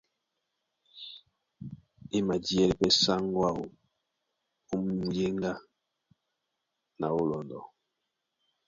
E madíɛlɛ́ pɛ́ sáŋgó áō ó muyéŋgá na ó lɔndɔ.